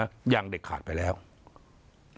ประชาธิปไตยชนะฝ่ายประเด็กการที่สืบทอดที่เรากล่าวหาเขาเนี่ยนะ